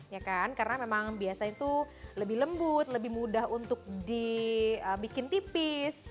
ya kan karena memang biasanya itu lebih lembut lebih mudah untuk dibikin tipis